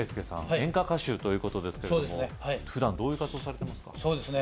演歌歌手ということですけどもふだんどういう活動されてますか？